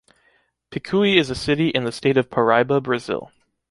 Picui is a city in the state of Paraíba, Brazil.